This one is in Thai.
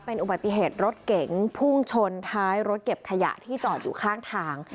เป็นอุบัติเหตุรถเก๋งพุ่งชนท้ายรถเก็บขยะที่จอดอยู่ข้างทาง